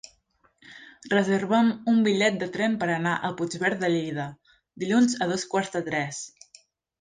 Reserva'm un bitllet de tren per anar a Puigverd de Lleida dilluns a dos quarts de tres.